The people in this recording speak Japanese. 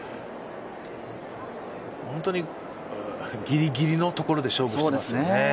本当にギリギリのところで勝負してますね。